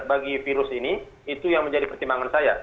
bagi virus ini itu yang menjadi pertimbangan saya